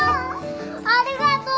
ありがとう。